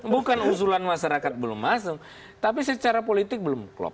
bukan usulan masyarakat belum masuk tapi secara politik belum klop